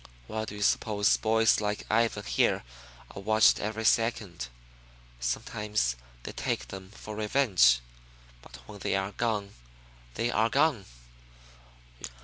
Why do you suppose boys like Ivan here are watched every second? Sometimes they take them for revenge, but when they are gone, they are gone.